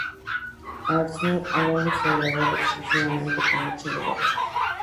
Arzúa-Ulloa se elabora exclusivamente con leche de vaca.